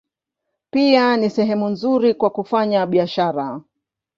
Pia ni sehemu nzuri kwa kufanya biashara.